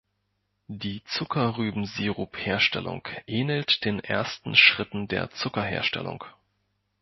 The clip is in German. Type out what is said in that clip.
Die Zuckerrübensirup-Herstellung ähnelt den ersten Schritten der Zuckerherstellung.